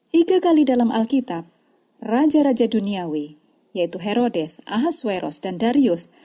tiga kali dalam alkitab raja raja duniawi yaitu herodes ahasueros dan darius